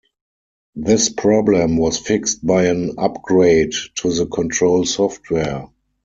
This problem was fixed by an upgrade to the control software.